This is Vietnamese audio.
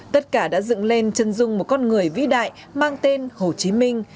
tất cả đã dựng lên chân dung một con người vĩ đại mang tên hồ chí minh